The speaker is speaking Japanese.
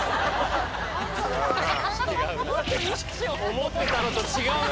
思ってたのと違うな。